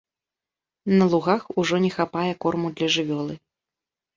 На лугах ужо не хапае корму для жывёлы.